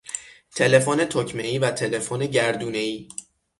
تلفن تکمهای و تلفن گردونهای